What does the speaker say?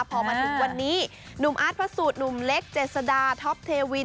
พอมาถึงวันนี้หนุ่มอาร์ตพระสูตรหนุ่มเล็กเจษดาท็อปเทวิน